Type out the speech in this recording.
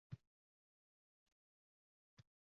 Nima ekan u, pashshami?